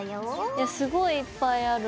いやすごいいっぱいある。